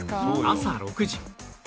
朝６時